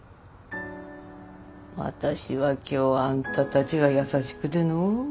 私は今日あんたたちが優しくてのうれしがった。